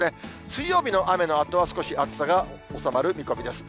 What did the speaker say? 水曜日の雨のあとは、少し暑さが収まる見込みです。